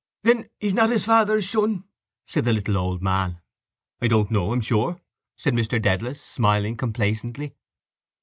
—Then he's not his father's son, said the little old man. —I don't know, I'm sure, said Mr Dedalus, smiling complacently.